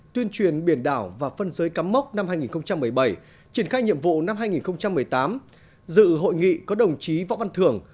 tuyên truyền biển đảo và phân giới cắm mốc năm hai nghìn một mươi bảy triển khai nhiệm vụ năm hai nghìn một mươi tám dự hội nghị có đồng chí võ văn thường